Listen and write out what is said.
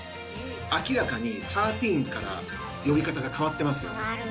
明らかにサーティーンから呼び方が変わってますよね。